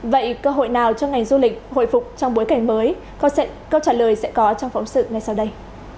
vậy cơ hội nào cho ngành du lịch hồi phục trong bối cảnh mới câu trả lời sẽ có trong phóng sự ngay sau đây